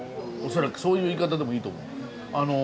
恐らくそういう言い方でもいいと思う。